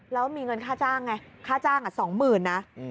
แล้วมีเงินค่าจ้างไงค่าจ้าง๒๐๐๐นะ